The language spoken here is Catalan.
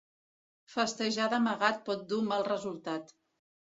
Festejar d'amagat pot dur mal resultat.